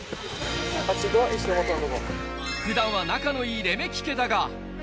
普段は仲のいいレメキ家だが。